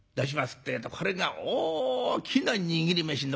ってえとこれが大きな握り飯でもって。